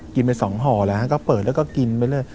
ไป๒ห่อแล้วก็เปิดแล้วก็กินไปเรื่อย